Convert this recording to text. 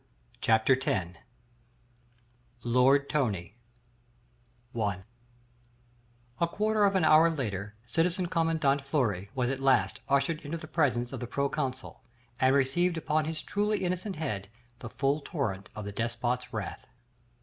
CHAPTER X LORD TONY I A quarter of an hour later citizen commandant Fleury was at last ushered into the presence of the proconsul and received upon his truly innocent head the full torrent of the despot's wrath.